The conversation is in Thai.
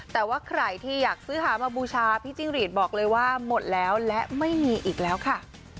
แต่ว่าใครที่อยากซื้อหามาบูชาพี่จิ้งหรีดบอกเลยว่าหมดแล้วและไม่มีอีกแล้วค่ะ